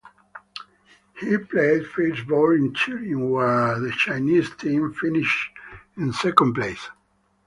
He played first board in Turin, where the Chinese team finished in second place.